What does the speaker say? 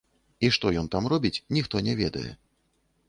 І што ён там робіць, ніхто не ведае.